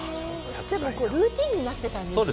じゃあルーティーンになってたんですね。